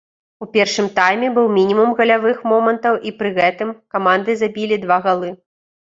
У першым тайме быў мінімум галявых момантаў і пры гэтым каманды забілі два галы.